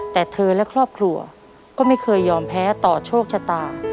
แต่เธอและครอบครัวก็ไม่เคยยอมแพ้ต่อโชคชะตา